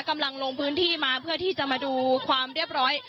กำลังลงพื้นที่มาเพื่อที่จะมาดูความเรียบร้อย